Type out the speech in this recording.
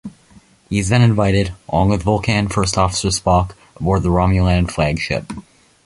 He is then invited, along with Vulcan First Officer Spock aboard the Romulan flagship.